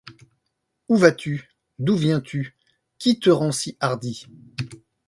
Où vas-tu? d’où viens-tu ? qui te rends si hardi ?